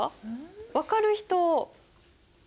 分かる人？